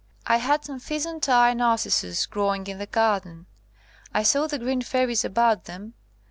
I had some pheasant eye narcissus growing in the garden. I saw the green fairies about them.